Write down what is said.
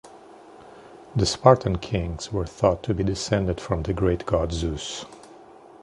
The Spartan kings were thought to be descended from the great god Zeus.